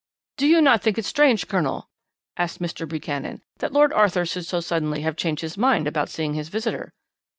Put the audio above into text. "'Did you not think it strange, Colonel?' asked Mr. Buchanan, 'that Lord Arthur should so suddenly have changed his mind about seeing his visitor?'